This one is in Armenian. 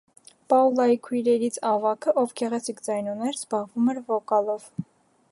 Պաուլայի քույրերից ավագը, ով գեղեցիկ ձայն ուներ, զբաղվում էր վոկալով։